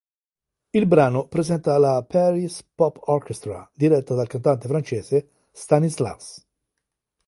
Il brano presenta la Paris Pop Orchestra diretta dal cantante francese Stanislas.